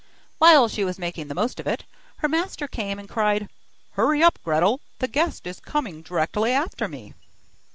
While she was making the most of it, her master came and cried: 'Hurry up, Gretel, the guest is coming directly after me!